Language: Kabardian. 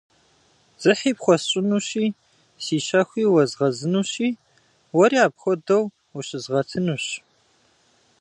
Дзыхьи пхуэсщӏынущи, си щэхуи уэзгъэзынущи, уэри апхуэдэу ущызгъэтынущ.